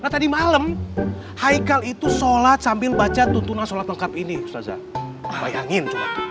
tadi malam haikal itu sholat sambil baca tuntunan sholat lengkap ini saza